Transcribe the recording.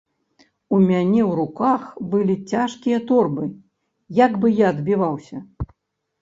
У мяне ў руках былі цяжкія торбы, як бы я адбіваўся?